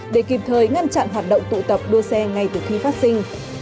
để kịp thời ngăn chặn hoạt động tụ tập đua xe ngay từ khi phát sinh